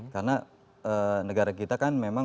karena negara kita kan memang